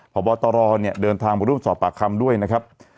พ่อบอปเปอร์ตรอยนี่เดินทางมาร่วมสอบปากคำด้วยนะครับ